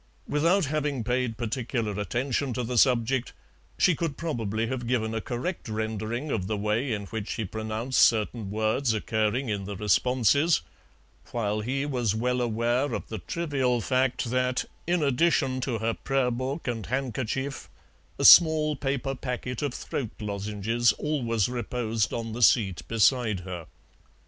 Without having paid particular attention to the subject, she could probably have given a correct rendering of the way in which he pronounced certain words occurring in the responses, while he was well aware of the trivial fact that, in addition to her prayer book and handkerchief, a small paper packet of throat lozenges always reposed on the seat beside her.